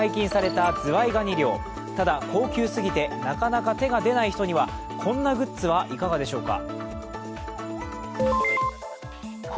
ただ、高級すぎてなかなか手が出ない人にはこんなグッズはいかがでしょうか。